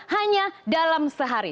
hanya dalam sehari